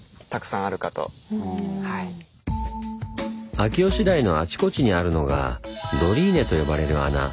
秋吉台のあちこちにあるのが「ドリーネ」と呼ばれる穴。